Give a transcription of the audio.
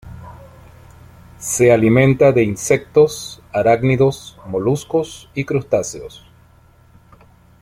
Se alimenta de insectos, arácnidos, moluscos, y crustáceos.